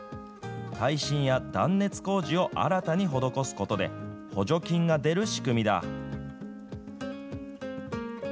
耐震や断熱工事を新たに施すことで、補助金が出る仕組みだ。